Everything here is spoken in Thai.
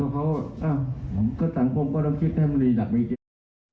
ก็เขาสังคมก็ต้องคิดแท่มหนี้หนักอีเกียร์